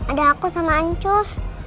ada aku sama ancus